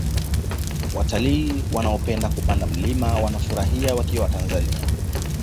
watalii wanaopenda kupanda milima watafurahia wakiwa tanzania